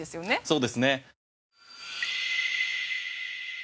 そうですね。